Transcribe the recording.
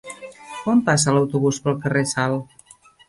Quan passa l'autobús pel carrer Sal?